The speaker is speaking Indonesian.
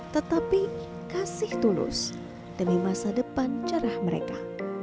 tetapi kasih tulus demi masa depan cara mereka